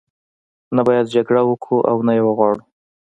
نه باید جګړه وکړو او نه یې وغواړو.